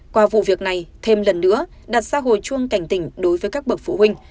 qua vụ việc này thêm lần nữa đặt xã hội chuông cảnh tỉnh đối với các bậc phụ huynh